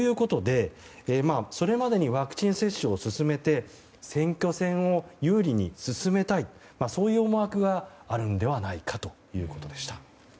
それまでにワクチン接種を進めて選挙戦を有利に進めたいという思惑があるのではないかということでした。